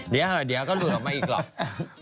เดี๋ยวเหอะเดี๋ยวก็ลุนออกมาอีกหรอ